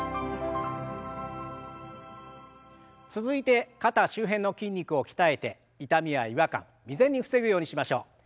続いて肩周辺の筋肉を鍛えて痛みや違和感未然に防ぐようにしましょう。